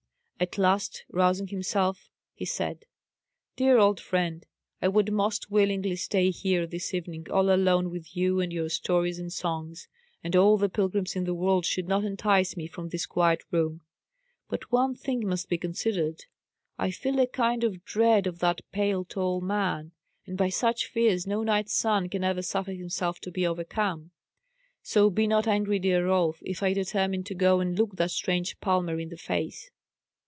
At last, rousing himself, he said, "Dear old friend, I would most willingly stay here this evening all alone with you and your stories and songs, and all the pilgrims in the world should not entice me from this quiet room. But one thing must be considered. I feel a kind of dread of that pale, tall man; and by such fears no knight's son can ever suffer himself to be overcome. So be not angry, dear Rolf, if I determine to go and look that strange palmer in the face."